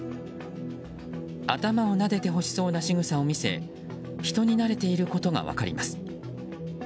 頭をなでてほしそうなしぐさを見せ人に慣れていることが分かります。